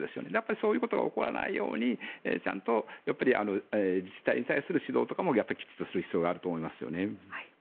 そういうことが起こらないようにちゃんと自治体に対する指導とかもきちんとする必要があると思いますね。